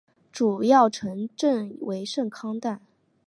主要城镇为圣康坦。